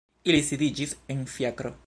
Ili sidiĝis en fiakro.